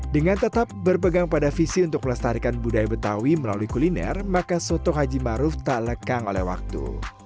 dengan tetap berpegang pada visi untuk melestarikan budaya betawi melalui kuliner maka soto haji maruf tak lekang oleh waktu